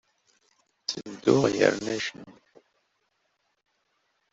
Ttedduɣ yerna cennuɣ.